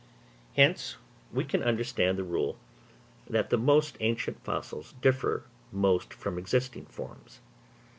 Hence, we can understand the rule that the most ancient fossils differ most from existing forms.